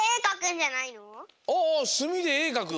あすみでえかく。